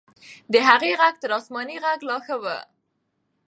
د هغې ږغ تر آسماني ږغ لا ښه و.